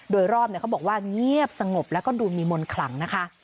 โดยรอบเขาบอกว่าเงียบสงบแล้วก็ดูมีมนต์ขลังนะคะ